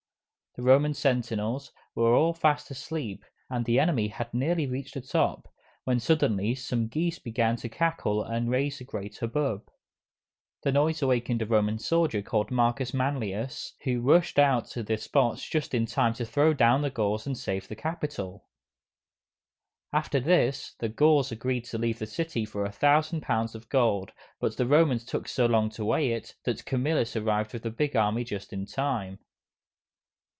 The Roman sentinels were all fast asleep, and the enemy had nearly reached the top, when suddenly some geese began to cackle and raise a great hub bub. The noise awakened a Roman soldier named Marcus Manlius, who rushed out to the spot just in time to throw down the Gauls and save the Capitol. After this, the Gauls agreed to leave the city for a thousand pounds of gold, but the Romans took so long to weigh it, that Camillus arrived with a big army just in time.